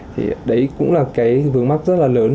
thì đấy cũng là cái vướng mắc rất là lớn